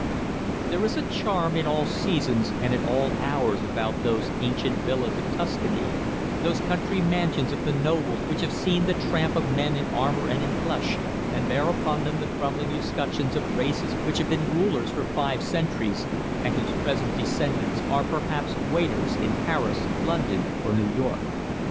There is a charm in all seasons and at all hours about those ancient villas of Tuscany; those country mansions of the nobles which have seen the tramp of men in armour and in plush, and bear upon them the crumbling escutcheons of races which have been rulers for five centuries, and whose present descendants are perhaps waiters in Paris, London, or New York.